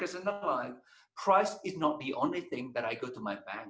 harga bukan hal terakhir yang membuat saya pergi ke bank